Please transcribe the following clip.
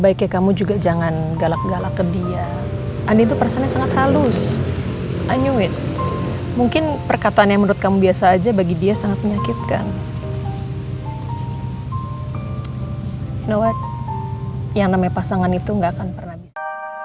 yang namanya pasangan itu gak akan pernah bisa